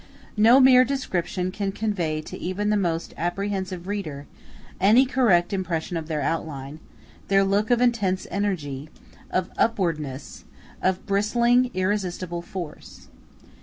No mere description can convey to even the most apprehensive reader, any correct impression of their outline, their look of intense energy, of upwardness, of bristling, irresistible force.